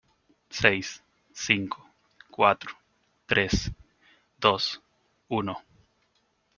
Seis, cinco , cuatro , tres , dos , uno